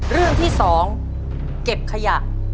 เรื่องที่๒เก็บขยะ